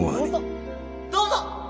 どうぞ！